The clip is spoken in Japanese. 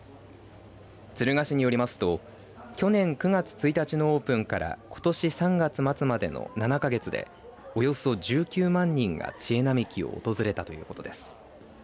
敦賀市によりますと去年９月１日のオープンからことし３月末までの７か月で、およそ１９万人がちえなみきを訪れたということです。